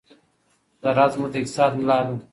زراعت زموږ د اقتصاد ملا ده.